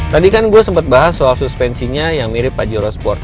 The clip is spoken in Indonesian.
tadi kan gue sempat bahas soal suspensinya yang mirip pajero sport